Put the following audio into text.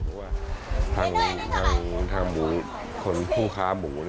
เพราะว่าทางผู้ค้าหมู